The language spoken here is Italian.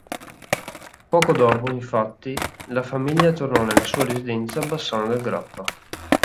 Poco dopo, infatti, la famiglia tornò nella sua residenza a Bassano del Grappa.